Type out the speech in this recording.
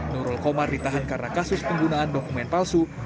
nurul komar ditahan karena kasus penggunaan dokumen palsu